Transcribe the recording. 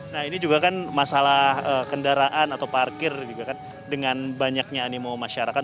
nah ini juga kan masalah kendaraan atau parkir juga kan dengan banyaknya animo masyarakat